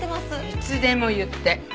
いつでも言って。